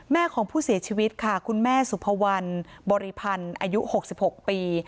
แม่ของผู้เสียชีวิตค่ะคุณแม่สุภวัลบริพันธ์อายุ๖๖ปี